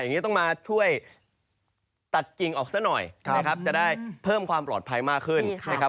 อย่างนี้ต้องมาช่วยตัดกิ่งออกซะหน่อยนะครับจะได้เพิ่มความปลอดภัยมากขึ้นนะครับ